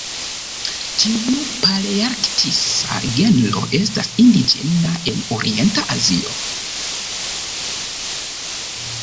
Tiu palearktisa genro estas indiĝena en orienta Azio.